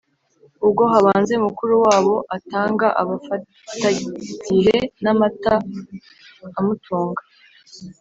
Ubwo habanza mukuru wabo; atanga abafatagihe n’amata amutunga,